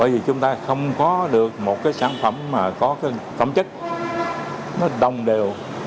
vì chúng ta không có được một sản phẩm có tẩm chất đồng đều